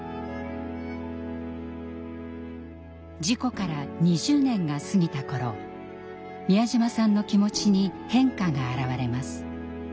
事故から２０年が過ぎた頃美谷島さんの気持ちに変化が表れます。